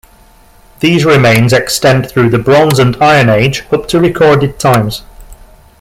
These remains extend through the bronze and Iron Age, up to recorded times.